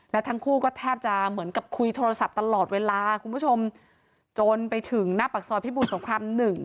แล้วทั้งคู่ก็แทบจะเหมือนกับคุยโทรศัพท์ตลอดเวลาคุณผู้ชมจนไปถึงหน้าปากซอยพิบูรสงคราม๑